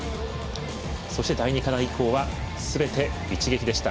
そして、第２課題以降はすべて一撃でした。